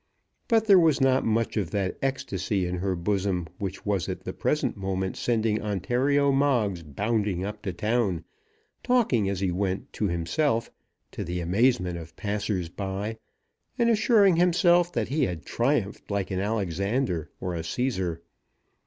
But there was not much of that ecstasy in her bosom which was at the present moment sending Ontario Moggs bounding up to town, talking, as he went, to himself, to the amazement of passers by, and assuring himself that he had triumphed like an Alexander or a Cæsar.